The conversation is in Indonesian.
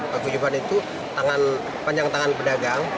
pak gujupan itu panjang tangan pedagang